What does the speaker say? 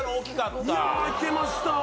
いやいけました。